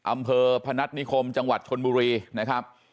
อำเภอพนัฐนิคมจังหวัดชนบุรีนะครับ